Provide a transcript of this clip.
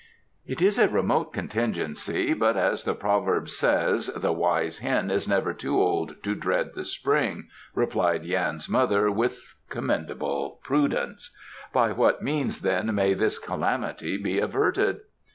"It is a remote contingency, but, as the proverb says, 'The wise hen is never too old to dread the Spring,'" replied Yan's mother, with commendable prudence. "By what means, then, may this calamity be averted?"